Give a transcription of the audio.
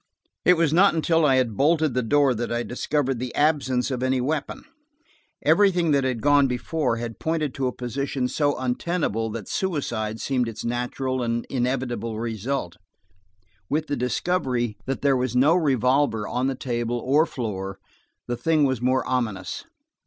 It was not until I had bolted the door that I discovered the absence of any weapon. Everything that had gone before had pointed to a position so untenable that suicide seemed its natural and inevitable result. With the discovery that there was no revolver on the table or floor, the thing was more ominous.